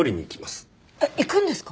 えっ行くんですか？